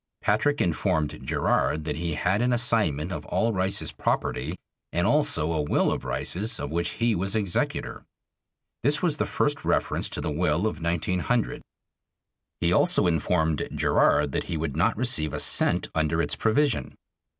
Patrick informed Gerard that he had an assignment of all Rice's property and also a will of Rice's of which he was executor. This was the first reference to the will of 1900. He also informed Gerard that he would not receive a cent under its provision.